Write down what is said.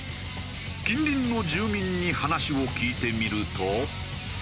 近隣の住民に話を聞いてみると。